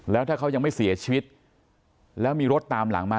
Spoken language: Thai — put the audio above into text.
แล้วถ้าเขายังไม่เสียชีวิตแล้วมีรถตามหลังมา